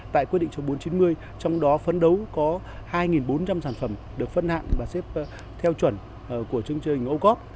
tại quyết định châu bốn trăm chín mươi trong đó phấn đấu có hai bốn trăm linh sản phẩm được phân hạn và xếp theo chuẩn của chương trình ô cốp